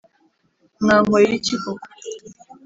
mwankorera iki koko???”